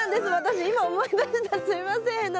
すいません